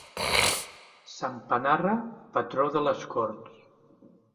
Sant Panarra, patró de les Corts.